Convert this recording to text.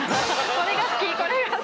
これが好き！